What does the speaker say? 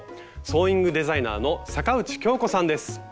ソーイングデザイナーの坂内鏡子さんです。